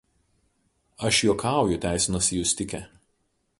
aš juokauju teisinosi Justikė